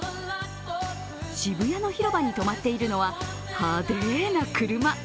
渋谷の広場に止まっているのは派手な車。